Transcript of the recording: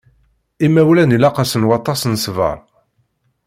Imawlan ilaq-asen waṭas n ṣṣber.